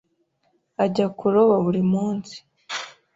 Ajya kuroba buri munsi.